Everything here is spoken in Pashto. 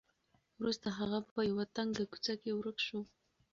وروسته هغه په یوه تنګه کوڅه کې ورک شو.